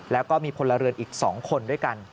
แล้วก็มีพลเรือนอีก๒คนด้วยกัน